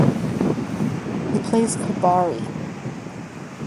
He plays for Bari.